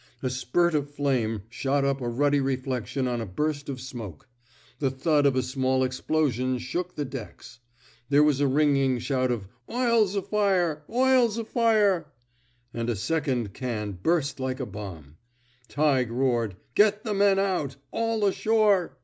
A spurt of flame shot up a ruddy reflection on a burst of smoke. The thud of a small explosion shook the decks. There was a ringing shout of OiPs afire 1 Oil's afire!" and a second can burst like a bomb. Tighe roared: Get the men out! All ashore!